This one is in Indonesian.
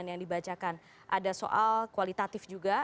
ada soal kualitatif juga